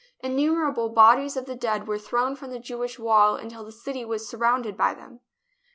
In numerable bodies of the dead were thrown from the Jewish wall until the city was surrounded by them.